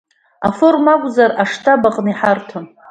Аформа акәзар аштаб аҟны иҳарҭон.